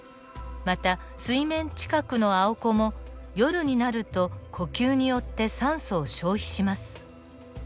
また水面近くのアオコも夜になると呼吸によって酸素を消費します。